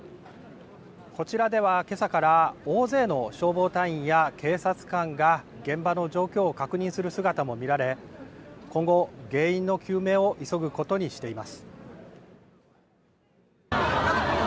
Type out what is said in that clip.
こちらではけさから大勢の消防隊員や警察官が現場の状況を確認する姿も見られ今後、原因の究明を急ぐことにしています。